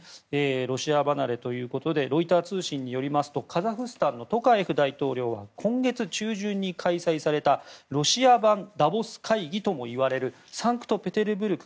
ロシア離れということでロイター通信によりますとカザフスタンのトカエフ大統領は今月中旬に開催されたロシア版ダボス会議ともいわれるサンクトペテルブルク